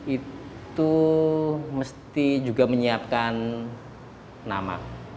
itu mesti juga menyiapkan nama